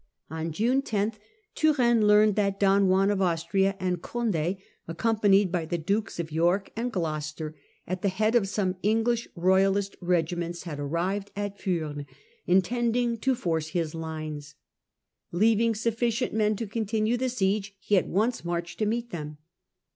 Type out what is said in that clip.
On June 10 Turenne learned that Don John of Austria and Condd, accompanied by the Dukes of York and Glou cester at the head of some English royalist regiments, had arrived at Furnes, intending to force his lines. Leaving sufficient men to continue the siege he at once marched to meet them.